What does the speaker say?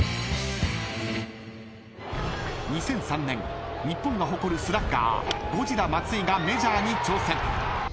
［２００３年日本が誇るスラッガーゴジラ松井がメジャーに挑戦］